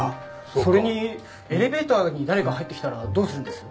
それにエレベーターに誰か入ってきたらどうするんです？